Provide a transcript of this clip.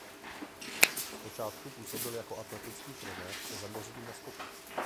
Z počátku působil jako atletický trenér se zaměření na skoky.